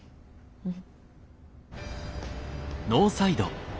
うん。